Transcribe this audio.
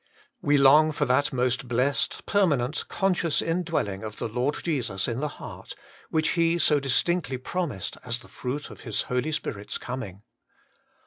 We long for that most blessed, permanent, conscious indwelling of the Lord Jesus in the heart, which He so distinctly promised as the fruit of the Holy Spirit's coming.